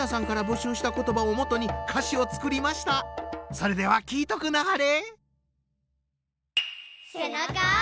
それでは聴いとくなはれ。